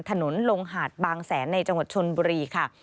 ถนนลงหาดบางแสนในจังหวัดชนบุรีค่ะ